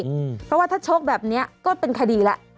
เพราะว่าถ้าชกแบบนี้ก็เป็นคดีแล้ว